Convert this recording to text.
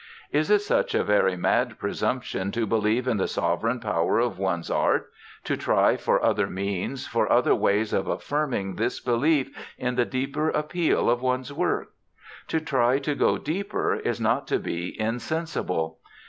Is it such a very mad presumption to believe in the sovereign power of one's art, to try for other means, for other ways of affirming this belief in the deeper appeal of one's work? To try to go deeper is not to be insensible.